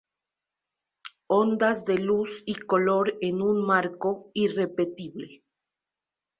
Ondas de luz y color en un marco irrepetible.